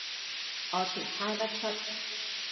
我全猜不出。